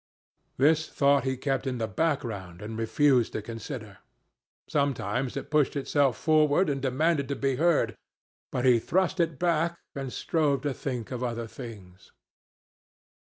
This thought he kept in the background and refused to consider. Sometimes it pushed itself forward and demanded to be heard, but he thrust it back and strove to think of other things.